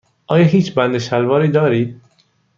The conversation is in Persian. آیا هیچ بند شلواری دارید؟